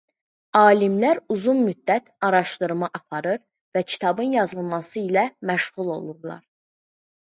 Alimlər uzun müddət araşdırma aparır və kitabın yazılması ilə məşğul olurlar.